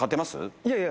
いやいや。